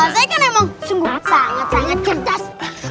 saya kan emang sungguh sangat sangat cerdas